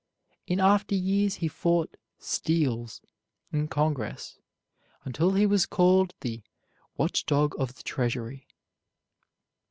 In after years he fought "steals" in Congress, until he was called the "Watchdog of the Treasury."